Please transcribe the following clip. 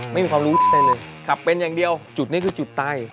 ไม่มีความรู้อะไรเลยกลับเป็นอย่างเดียวจุดนี้คือจุดตาย